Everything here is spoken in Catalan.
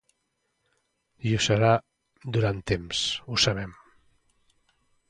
I ho serà durant temps, ho sabem.